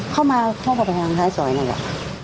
เข้ามาเข้าไปหลังท้ายสอยหน่อยค่ะ